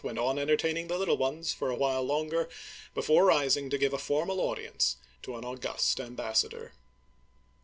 went on entertaining the little ones for a while longer, before rising to give a formal audience to an august ambassador.